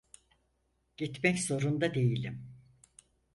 Gitmek zorunda değilim.